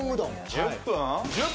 １０分！？